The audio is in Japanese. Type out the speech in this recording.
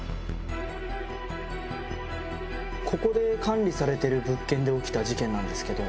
ここで管理されてる物件で起きた事件なんですけど。